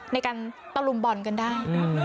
ในการตะลุมบ่อนกันได้